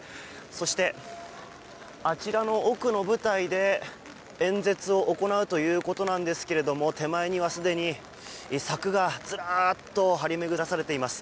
そして、あちらの奥の舞台で演説を行うということなんですが手前にはすでに柵がずらっと張り巡らされています。